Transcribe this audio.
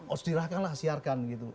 ostirahkanlah siarkan gitu